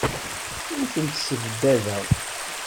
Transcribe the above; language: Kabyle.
Ur tent-ssebdadeɣ.